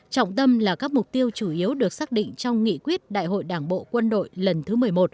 trọng tâm là các mục tiêu chủ yếu được xác định trong nghị quyết đại hội đảng bộ quân đội lần thứ một mươi một